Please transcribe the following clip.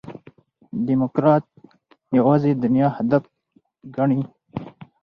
ډيموکراټ یوازي دنیا هدف ګڼي.